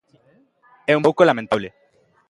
É un pouco lamentable.